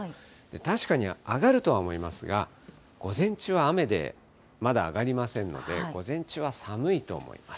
確かに上がるとは思いますが、午前中は雨で、まだ上がりませんので、午前中は寒いと思います。